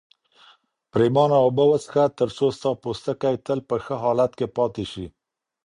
پرېمانه اوبه وڅښه ترڅو ستا پوستکی تل په ښه حالت کې پاتې شي.